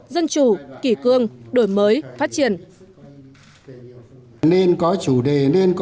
dân chủ kỷ cương đổi mới phát triển